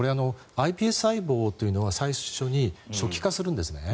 ｉＰＳ細胞というのは最初に初期化するんですね。